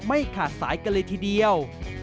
ไม่ขาดสายกันเลยทีเดียว